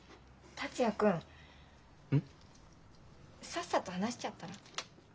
さっさと話しちゃったら？